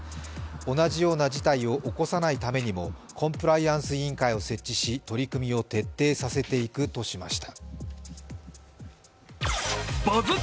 同じような事態を起こさないためにもコンプライアンス委員会を設置し取り組みを徹底させていくとしました。